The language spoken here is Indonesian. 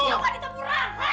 ya kamu coba ditemurah